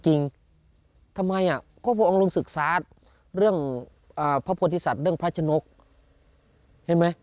ก็เพราะพระองค์ลงศึกษาเรื่องพระพวทธิสัตว์เรื่องพระจนกเห็นไหม